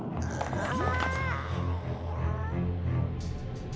ああ。